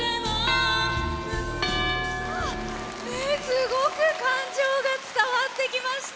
すごく感情が伝わってきました。